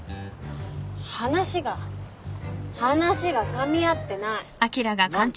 話が話がかみ合ってない。